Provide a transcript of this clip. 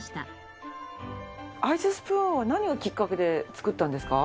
アイススプーンは何がきっかけで作ったんですか？